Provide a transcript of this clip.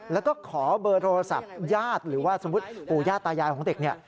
แล้วก็ขอเบอร์โทรศัพท์ญาติหรือว่าสมมุติปู่ย่าตายายของเด็กเนี่ย